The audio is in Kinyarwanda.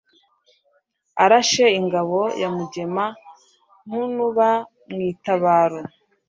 arashe ingabo ya Mugema nkunuba mwitabaro